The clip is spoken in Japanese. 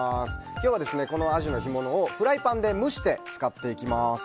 今日はこのアジの干物をフライパンで蒸して使っていきます。